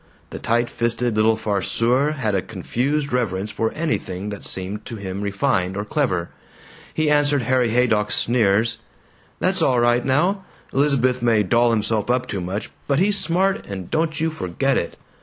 The tight fisted little farceur had a confused reverence for anything that seemed to him refined or clever. He answered Harry Haydock's sneers, "That's all right now! Elizabeth may doll himself up too much, but he's smart, and don't you forget it!